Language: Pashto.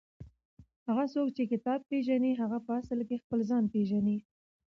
هغه څوک چې کتاب پېژني هغه په اصل کې خپل ځان پېژني.